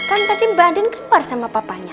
kan tadi mbak den keluar sama papanya